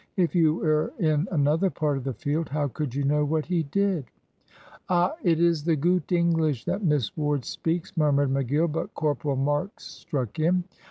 If you were in another part of the field how could you know what he did?" "Ah, it is the goot English that Miss Ward speaks," murmured McGill; but Corporal Marks struck in.